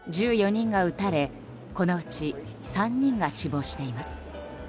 １４人が撃たれこのうち３人が死亡しています。